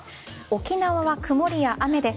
沖縄は曇りや雨で